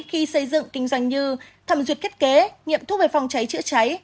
khi xây dựng kinh doanh như thẩm duyệt thiết kế nghiệm thuốc về phòng cháy chữa cháy